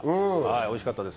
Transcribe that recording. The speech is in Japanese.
おいしかったです。